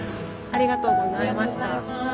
ありがとうございます。